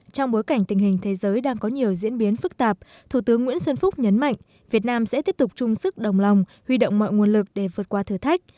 trong bối cảnh tình hình thế giới đang có nhiều diễn biến phức tạp thủ tướng nguyễn xuân phúc nhấn mạnh việt nam sẽ tiếp tục chung sức đồng lòng huy động mọi nguồn lực để vượt qua thử thách